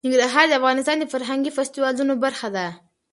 ننګرهار د افغانستان د فرهنګي فستیوالونو برخه ده.